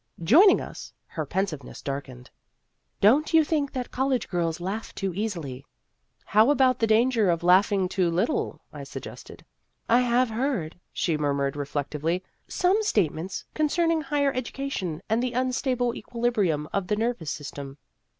Joining us, her pensive Danger! 257 ness darkened. " Don't you think that college girls laugh too easily ?"" How about the danger of laughing too little ?" I suggested. " I have heard," she murmured reflect ively, " some statements concerning higher education and the unstable equilibrium of the nervous system."